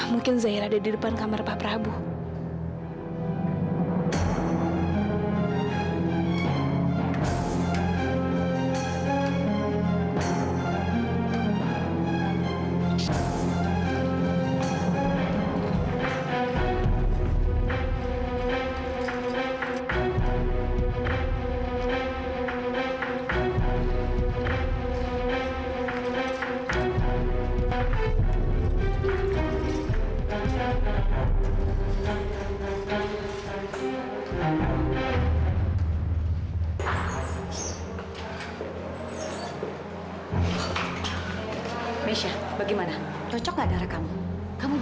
mungkin zahira ada di depan kamar pak prabu